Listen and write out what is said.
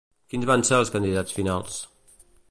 Quins van ser els candidats finals?